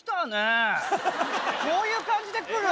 こういう感じでくる？